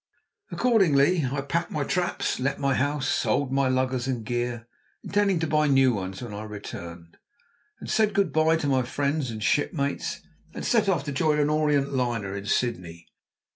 Accordingly I packed my traps, let my house, sold my luggers and gear, intending to buy new ones when I returned, said good bye to my friends and shipmates, and set off to join an Orient liner in Sydney.